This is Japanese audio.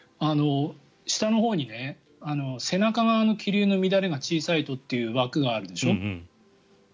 下のほうに背中側の気流の乱れが小さいとって枠があるでしょ。